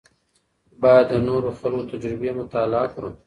باید د نورو خلکو تجربې مطالعه کړو.